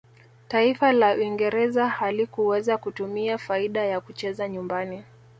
taifa la uingereza halikuweza kutumia faida ya kucheza nyumbani